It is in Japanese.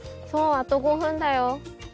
あと５分だよ！